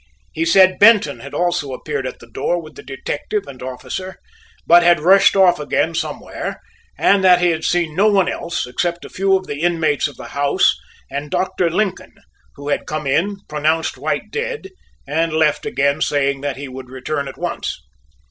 He said Benton had also appeared at the door with the detective and officer, but had rushed off again somewhere, and that he had seen no one else, except a few of the inmates of the house, and Dr. Lincoln, who had come in, pronounced White dead and left again, saying that he would return at once.